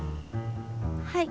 はい。